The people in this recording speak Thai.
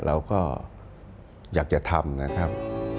เราก็อยากจะทำนะครับ